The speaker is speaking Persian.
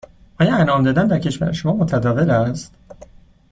آیا انعام دادن در کشور شما متداول است؟